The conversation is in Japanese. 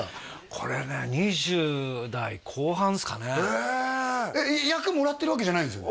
これね２０代後半ですかねへえ役もらってるわけじゃないですよね？